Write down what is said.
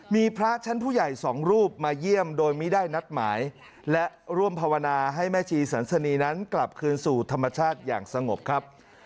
มีพระชั้นผู้ใหญ่สองรูปมาเยี่ยมโดยไม่ได้นัดหมายและร่วมภาวนาให้แม่ชีสันสนีนั้นกลับคืนสู่ธรรมชาติอย่างสงบครับ